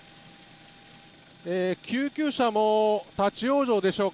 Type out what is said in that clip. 救急車も立ち往生でしょうか。